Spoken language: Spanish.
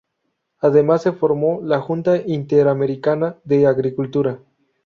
Además, se formó la Junta Interamericana de Agricultura.